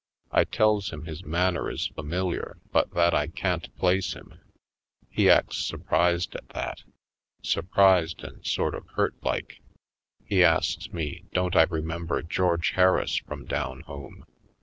I tells him his manner is familiar, but that I can't place him. He acts surprised at that — surprised and sort of hurt like. He asks me don't I remember George Harris from down home?